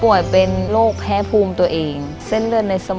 รายการต่อไปนี้เป็นรายการทั่วไปสามารถรับชมได้ทุกวัย